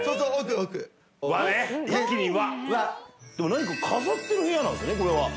何かを飾ってる部屋なんですね。